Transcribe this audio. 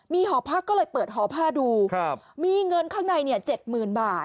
มีหอพ่าก็เลยเปิดหอพ่าดูครับมีเงินข้างในเนี้ยเจ็ดหมื่นบาท